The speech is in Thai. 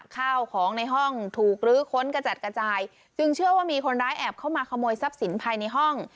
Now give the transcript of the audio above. ข้าวของในห้องถูกลื้อค้นกระจัดกระจายจึงเชื่อว่ามีคนร้ายแอบเข้ามาขโมยทรัพย์สินภายในห้อง